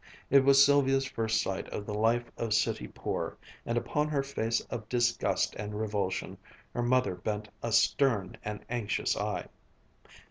It was Sylvia's first sight of the life of city poor, and upon her face of disgust and revulsion her mother bent a stern and anxious eye.